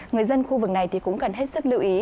người dân khu vực này cũng cần hết sức lưu ý